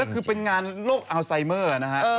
เห็นการโรคอัลไซเมอร์นะฮะ